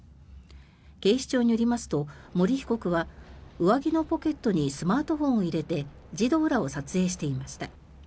警視庁によりますと森被告は上着のポケットにスマートフォンを入れて児童らを撮影していました。